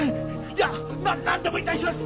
いや何でもいたします！